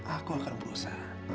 aku akan berusaha